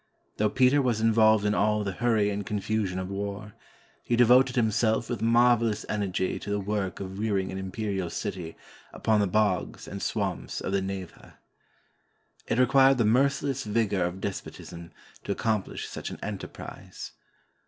Though Peter was involved in all the hurry and confusion of war, he devoted himself with marvelous energy to the work of rearing an imperial city upon the bogs and swamps of the Neva. It required the merciless vigor of despotism to accomplish such an enterprise.